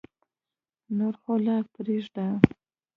نور خو لا پرېږده.